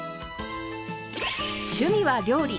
趣味は料理。